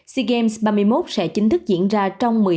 sea games ba mươi một sẽ chính thức diễn ra trong